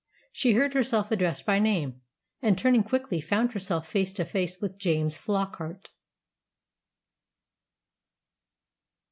She heard herself addressed by name, and, turning quickly, found herself face to face with James Flockart.